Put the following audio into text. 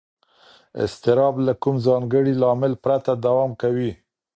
اضطراب له کوم ځانګړي لامل پرته دوام کوي.